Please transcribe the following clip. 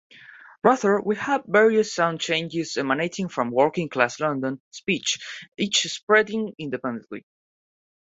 Rather, we have various sound changes emanating from working-class London speech, each spreading independently.